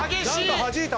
はじいた！